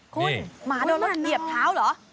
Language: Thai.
คุณหมาโดนรถเหยียบเท้าเหรอ